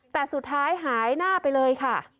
แต่สุดท้ายหายหน้าไปเลยค่ะ